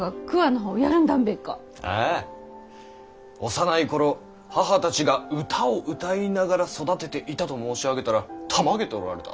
「幼い頃母たちが歌を歌いながら育てていた」と申し上げたらたまげておられた。